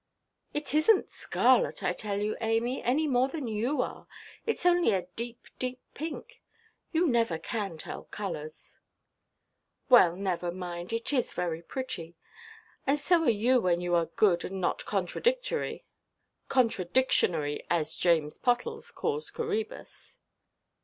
"It isnʼt scarlet, I tell you, Amy, any more than you are. Itʼs only a deep, deep pink. You never can tell colours." "Well, never mind. It is very pretty. And so are you when you are good and not contradictory—ʼcontradictionary,' as James Pottles calls Coræbus."